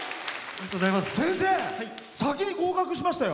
先生、先に合格しましたよ。